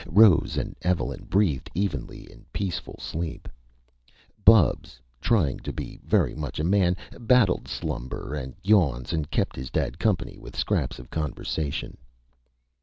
Rose and Evelyn breathed evenly in peaceful sleep. Bubs, trying to be very much a man, battled slumber and yawns, and kept his dad company with scraps of conversation.